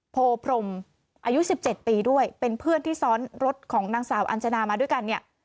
โพพรมอายุ๑๗ปีด้วยเป็นเพื่อนที่ซ้อนรถของนางสาวอัญจนามาด้วยกันเนี่ย